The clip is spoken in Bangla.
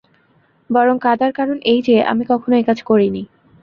বরং কাদার কারণ এই যে, আমি কখনও এ কাজ করিনি।